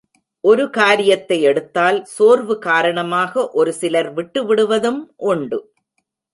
ஒரு காரியத்தை எடுத்தால் சோர்வு காரணமாக ஒரு சிலர் விட்டுவிடுவதும் உண்டு.